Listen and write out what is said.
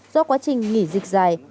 do quá trình nghỉ dịch dài